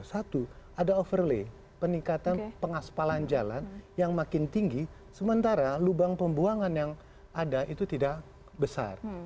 satu ada overlay peningkatan pengaspalan jalan yang makin tinggi sementara lubang pembuangan yang ada itu tidak besar